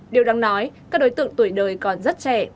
điều đáng nói các đối tượng tuổi đời còn rất trẻ